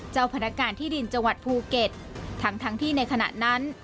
พนักงานที่ดินจังหวัดภูเก็ตทั้งทั้งที่ในขณะนั้น